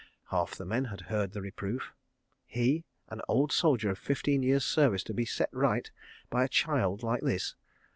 Half the men had heard the reproof. He, an old soldier of fifteen years' service, to be set right by a child like this!